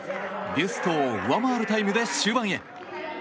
ビュストを上回るタイムで終盤へ。